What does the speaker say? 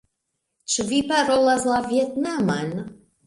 Ĉu vi parolas la vjetnaman?